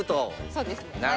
そうですね。